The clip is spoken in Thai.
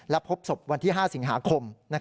และพบศพวันที่๕สิงหาคม